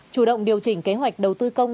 chủ động điều chỉnh kế hoạch đầu tư công